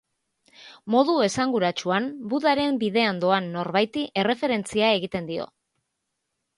Modu esanguratsuan Budaren bidean doan norbaiti erreferentzia egiten dio.